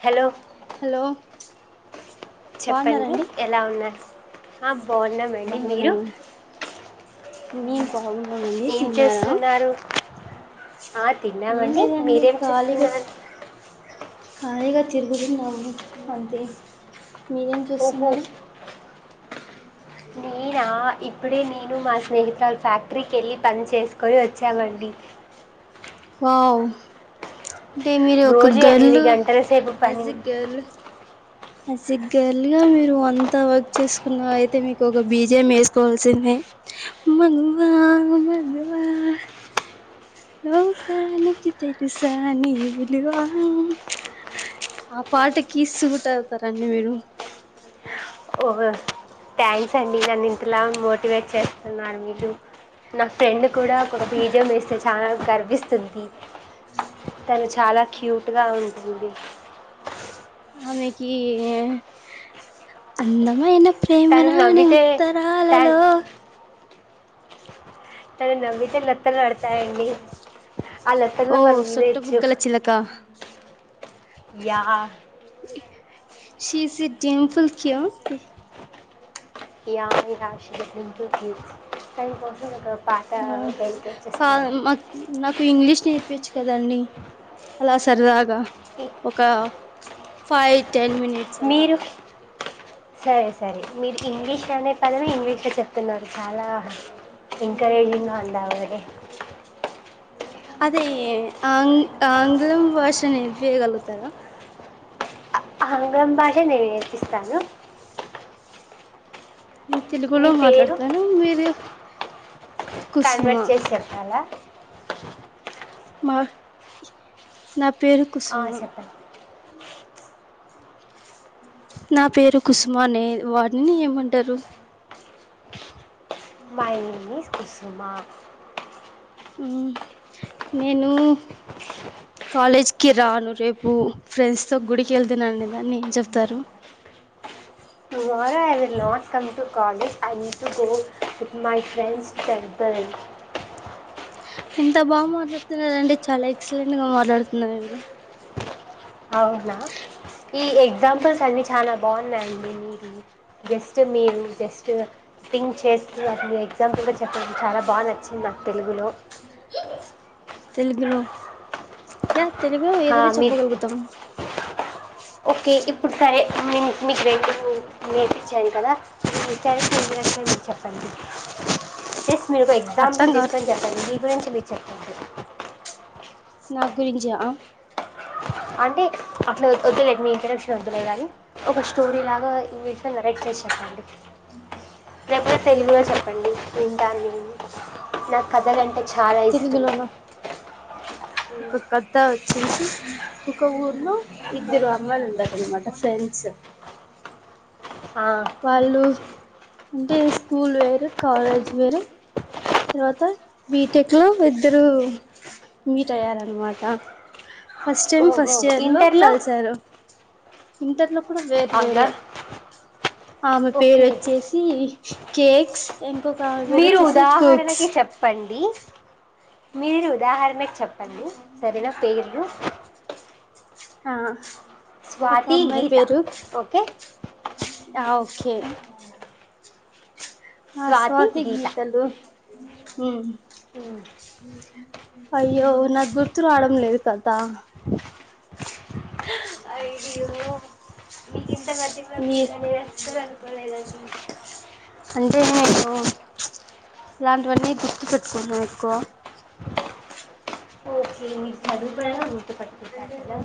Hello hello చెప్పండి బాగున్నారండి ఎలా ఉన్నారు ఆ బాగున్నామండి మీరు బాగున్నామ మేము బాగున్నామండి ఏం తిన్నారా చేస్తున్నారు ఆ ఏం తిన్నామండి లేదండి మీరేం చేస్తున్నారు కాలిగా తిరుగుతున్నాను అంతే మీరేం ఓహో చేస్తున్నారు నేనా ఇపు ఇప్పుడే నేను మా స్నేహితురలు తో ఫ్యాక్టరీకి వెళ్ళ పని చేసు కొని వచ్చాం అండి వావ్ అంటే మీరు ఒక రోజు ఎనిమిది గర్ల్ గంటల సేపు యాజ్ పని a girl as a girl గా మీరు అంతా వర్క్ చేసుకున్న అయితే మీకు ఒక బీజం వేసుకోవాల్సిందే మగవా మగవా లోకానికి తెలుసా నీ విలువా ఆ పాటకి [unintelligible] రండి మీరు ఓ థ్యాంక్స్ అండి నన్ను ఇంతలా మోటివేట్ చేస్తున్నా మీరు నా ఫ్రెండ్ కూడా ఒక బీజం వేస్తే చాలా గర్విస్తుంది తను [unintelligible] చాలా క్యూట్గా ఉంటుంది ఆమెకి అందమైన ప్రేమ తను రాని నవ్వితే ఉత్తరాలలో థ్యాంక్ తను నవ్వితే లొట్టలు పాడుతాయండి ఓ సొట్ట బుగ్గల చిలకా yeah she is a Dimple [unintelligible] yeah yeah she is a Dimple [unintelligible] కా మాకు నాకు ఇంగ్లీష్ నేర్పచ్చు కదండి అలా సరదగా ఇ ఫైట్ టెన్ మనిట్స్ అలా సరే సరే మీరు ఇంగ్లీష్ లోనే చెప్పల్లా ఇంగ్లీష్ చెప్తున్నారు చాలా ఎంకరేజింగ్గా ఉంది ఆవిడే అదే ఆంగ్ ఆంగ్లం భాషను నేర్పియగలుగుతారా ఆంగ్లం భాష నేర్పిస్తాను నేను తెలుగులో మీ పేరు మాట్లాడతాను మీరు కుసుమ కన్వర్ట్ చేసి చెప్పాలా మా స్నాప్ పేరు ఆ, కుసుమ చెప్పండి నా పేరు కుసుమానే వర్డ్ ని ఏమంటారు మై నేమ్ ఇస్ కుసుమ నేను కాలేజ్కి రాను రేపు ఫ్రెండ్స్ తో గుడికి వెళ్తున్నాను అనే దాన్ని ఏం చెప్తారు tomorrow I will not come to college I need to go with my friends temple ఎంత బాగా మాట్లాడుతున్నారండి చాలా ఎక్సలెంట్ గా మాట్లాడుతున్నారు అండి అవునా ఈ ఎగ్జాంపుల్స్ అన్ని చాలా బాగున్నాయండి మీరు జస్ట్ మీరు జస్ట్ థింక్ చేస్తూ అ ఎగ్జాంపుల్గా చెప్పం చాలా బాగా నచ్చింది నాకు తెలుగులో స తెలుగు లో హా మీ ఓకే ఇప్పుడు సరే మే మీకు రెండు నేర్పించారు కదా మీ సారి ఎజ క్షలు మీరు చెప్పండి జస్ట్ మీరు ఒక అర్థం ఎగ్జాంపుల్ కాదు తీసుకొని చెప్పండి మీ గురించి మీరు చెప్పండి నా గురింజా అంటే అట్లా వద్దులేదు మీ ఇంట్రడక్షన్ వద్దులే కానీ, ఒక స్టోరీ లాగా ఈ విడి నరెక్ట్ చేసి చెప్పండి. లేక తెలివిగా చెప్పండి వింటాను. నేను నాకు కథలు అంటే చాలా ఇష్టం తెలుగులోన ఒక కథ వచ్చేసి ఒక ఊర్లో ఇద్దరు అమ్మలు ఉంటారు అనమాట ఫ్రెండ్స్ ఆ, వాళ్ళు అంటే స్కూల్ వేరు కాలేజ్ వేరు తర్వాత బీటెక్లో ఇద్దరు మీట్ అయ్యారనమాట ఫస్ట్ టైమ్ ఓహో ఫస్ట్ ఇయర్లో ఇంటర్లో కలిసారు ఇంటర్ లో కూడా వేర వేరే అవునా ఆమె పేరు ఓకే వచ్చేసి కేక్స్ ఇంకొక ఆమె పేరు మీరు వచ్చేసి కుక్స్ ఉదాహరణకి చెప్పండి మీరు ఉదాహరణ చెప్పండి సరేనా పేర్లు ఆ ఒక స్వాతి అమ్మాయి గీత పేరు ఓకే ఆ ఓకే ఆ స్వాతి గీతలు ఉమ్ అఓక అయ్యో నాకు గుర్తు రావడం లేదు కదా అయ్యో మీకు ఇంత మధ్య మీ పకుందని అసలు అనుకోలే ఇంకా అంటే నేను ఇలాంటివన్నీ గిఫ్ట్ పెట్కోన్ను ఎక్కువ ఓకే మీరు చదువు పరంగా గుర్తుపట్టుకుంటారు కదా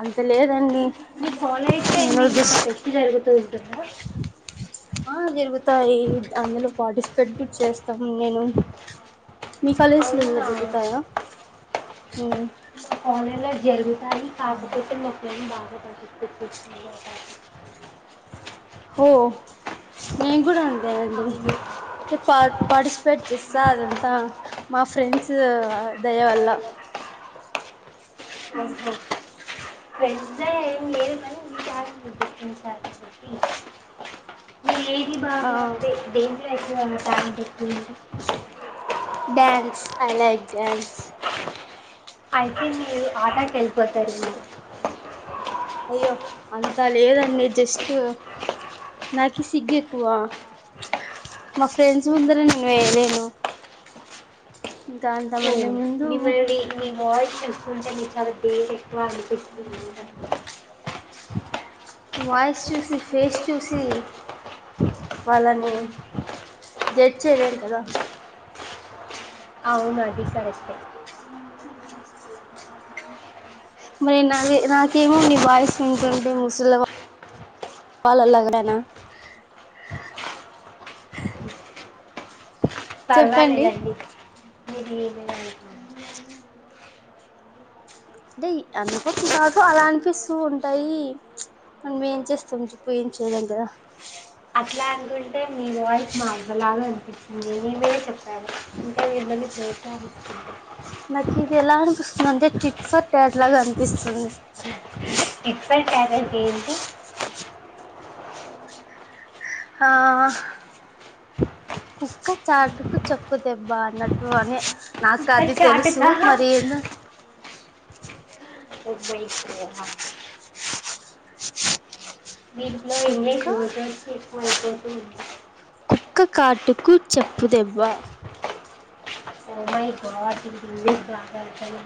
అంత లేదండి నను నా ఫెస్ట్ జరుగుతు ఉంటుందా ఆ జరుగుతాయి అందులో పార్టిసిపేట్ కూడా చేస్తాం నేను మీ కాలేజీ అవును లో నా జరుగుతాయా ఉమ్ జరుగు దనికి కాట్ పుట్ మొకలిందా హో నేను కూడా లీవు అండి అవును డి పా పార్టిస్ ఎస్పెక్ట్ చేస్తా అదంతా మా ఫ్రెండ్స్ దయ వల్ల అ ప్రెండ్స్ దయ ఏమి లేదు గాని మీరు ఆ బాగా టాక్ డ్యాన్స్ ఐలైక్ డ్యాన్స్ అయితే మీ ఆటాకి వెళ్ళిపోతారు మీరు అయ్యో అంతా లేదండి జస్ట్ నాకు సిగ్గు ఎక్కువ మా ఫ్రెండ్స్ ముందర నేను వేయలేను ఇంకా అంత ఓ మంది ముందు మిమ్మల్ని మీ వాయిస్ చూస్తుంటే మీ చాలా ఏది ఎక్కువ అనిపి [unintelligible] వాయిస్ చూసి ఫేస్ చూసి వాళ్ళని జడ్జ్ చేయలేం కదా అవును అది కరెక్టే మరి నా నాకేమో ని వాయిస్ వింటుంటే ముసలి వాళ్ళలాగానా చెప్పండి పర్వాలేదండి మీది అంటే అందుకో నాకు అలా అనిపిస్తుంటాయి మనం మేము ఏం చేస్తాం చెప్పు ఏం చేయలేం కదా ప్లాన్ గుండు అంటే మీ వాయిస్ మా అవ్వలాగ ఉంది మేమే చెప్పారు ఇంకా మిమ్మల్ని ప్రోత్సహస్తుంది నాకిది ఎలా అనిపిస్ అంటే చిట్ ఫట్ ట్యాగ్ లాగా అనిపిస్తుంది చిట్ ఫట్ ట్యాగ్ అంటే ఏంటి ఆ కుక్క చాటుకు చెప్పు దెబ్బా అన్నట్టు అనే నాకు అది చాటుక తెలుసు మరి ఎలా ఓ మై గాడ్ దీంట్లో కుక్క ఇంగ్లీష్ రోజుకి ఎక్కువ అయిపోతూ ఉంది కుక్క కాటుకు చెప్పుదెబ్బా ఓ మై గాడ్ దీనికి ఇంగ్లీష్ రాను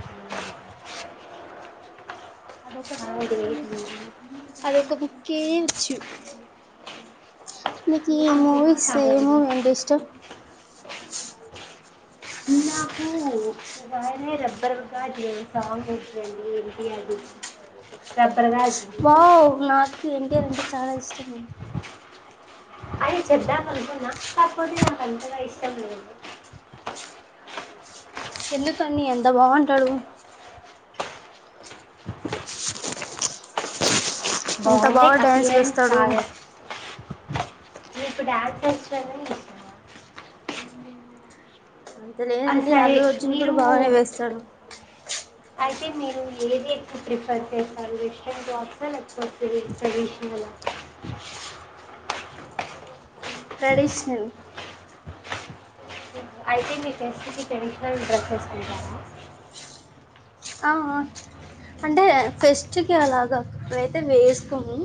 అదొకతె ఏంటి? వచ్చింది కేయుచ్చు మికీ ఆ ముక్క మూవీస్ ఏ కాదండి మూవీ అంటే ఇష్టం నాకూ పగాయనే రబ్బర్ గాజు నేను సాంగ్ [inaudible] ఏంటి గాజు వావ్ నాక్ ఎన్టీఆర్ అంటే చాలా ఇష్టం అండి అని చేద్దాం అనుకున్నా కాకపోతే నాకు అంతగా ఇష్టం లేదు ఎందుకని అంత బాగుంటడు ఎంత బాగుండే బాగా డ్యాన్స్ అపియరెన్స్ వేస్తాడు నీకు డ్యాన్స్ వచ్చనే అంత ఆ, లేదండి సరే అల్లు అర్జున్ కూడా మీరు బాగానే వేస్తాడు అయితే మీరు ఏది ఎక్కువ ప్రిఫర్ చేస్తారు వెస్ట్రన్ జాబ్స్ లేకపోతే ట్రెడిషనల ట్రెడిషనల్ అయితే మీ ఫ్రెండ్స్ కి ట్రెడిషనల్ డ్రెస్సెస్ ఇవ్వాల ఆహా అంటే ఫెస్ట్కి అలాగా అప్పుడైతే వేసుకోము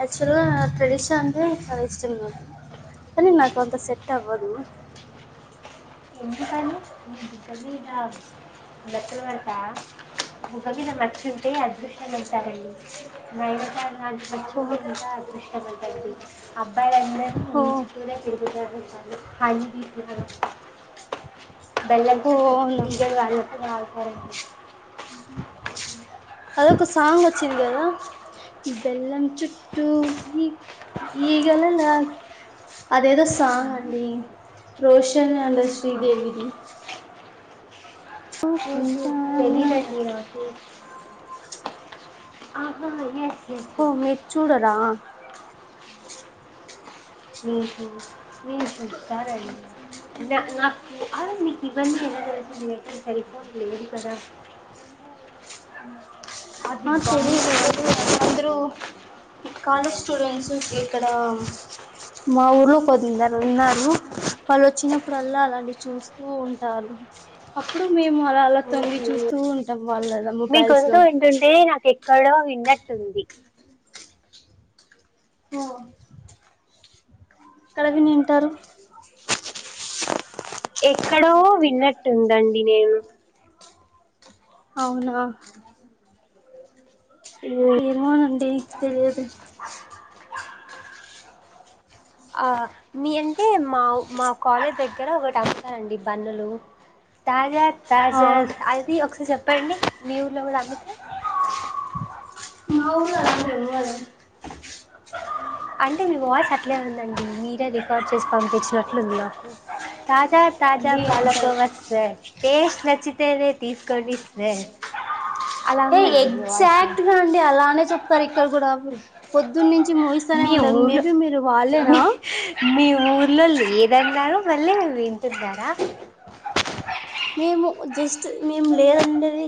యాక్చువల్గా ట్రెడిషన్ అంటే చాలా ఇష్టం నాకు కానీ నాకు అంత సెట్ అవ్వదు భుజం మీద మచ్చుంటే అదృష్టం అంటారండి పచ్చి ఓ ఉంటే ఇంకా ఇష్టపడండి అబ్బాయిల లే ఓ ఈ చిక్కుడుకాయ తిను బెల్లం ఓ చెక్ అవును ఈగ వాళ్ళు [unintelligible] [unintelligible] అదొక సాంగ్ వచ్చింది కదా ఈ బెల్లం చుట్టూ ఈ ఈగల అదేదో సాంగ్ అండి రోషన్ అండ్ శ్రీదేవిది [unintelligible] కుంట తెలియదండి నాకు ఆహా ఎస్ ఎస్ ఓం మీరు చూడరా ఉహూ మీరు చూశారా నా నాకు అవును మీకు ఇవన్నీ ఎలా తెలుసు మీ దగ్గర సెల్ ఫోన్ లేదు కదా ఆ తెలీదు అందరూ కాలేజ్ స్టూడెంట్స్ ఇక్కడ మా ఊర్లో కొద్దిందరు ఉన్నారు వాళ్ళు వచ్చినప్పుడుల్లా అలాంటి చూస్తూ ఉంటారు అప్పుడు మేము అలా అలా తొంగి మీకు చూస్తూ ఉంటాం వాళ్ళ మీ మొబైల్స్ లో గొంతు వింటుంటే నాక్ ఎక్ ఎక్కడో విన్నట్టుంది [unintelligible] ఎక్కడ వినింటరు ఎక్కడో విన్నట్టు ఉందండి నేను అవునా ఏమోనండి తెలియదు ఆ మీ అంటే మా మా కాలేజ్ దగ్గర ఒకటి అమ్ముతారండి బన్నులు తాజా ఆ తాజా అది [unintelligible] పిన్ని మీ ఊర్లో కూడా అమితే మా ఊర్లో అలాంటిది [unintelligible] అంటే మీ వాయిస్ అట్లే ఉందండి మీరే రికార్డ్ చేసి పంపించినట్లుంది నాకు తాజా తాజా అండి అంతలు పాలకోవా సార్ టేస్ట్ నచ్చి తేనే తీసుకోండి సా ఏ మీ వాయిస్ ఎగ్జాక్ట్గా అండి అలానే చెప్తారు ఇక్కడ కూడా పొద్దున్న నుంచి ముగిస్త మీ ఊర్లో మీ ఊర్లో లేదన్నారు మళ్ళీ వింటున్నారా మేము జస్ట్ మేము లేదంటేనే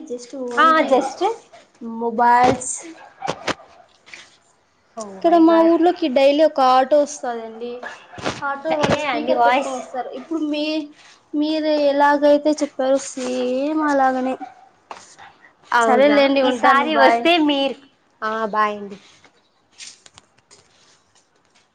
ఆ ఓన్లీ మో జస్ట్ మొబైల్స్ ఓ ఇక్కడ మై మా గాడ్ ఊర్లోకి డైలీ ఒక ఆ టోస్ కదండి ఆటో వాళ్ళు ఇదే అండి స్పీకర్ వాయిస్ పెట్టుకొని వస్తారు ఇప్పుడు మీ మీరు ఎలాగైతే చెప్పారు సేమ్ అలాగనే అవునా సరేలేండి ఈ ఉంటాను సారి బాయ్ వస్తే మీర్ ఆ బై అండి